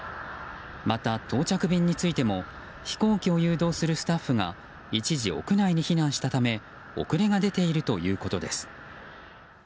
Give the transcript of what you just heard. また到着便についても飛行機を誘導するスタッフが一時、屋内に避難したため遅れが出ているということです。